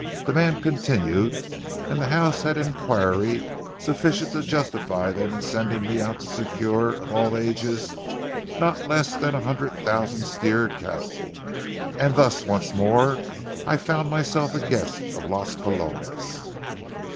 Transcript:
Demand continued, and the house had inquiry sufficient to justify them in sending me out to secure, of all ages, not less than a hundred thousand steer cattle. And thus once more I found myself a guest of Las Palomos.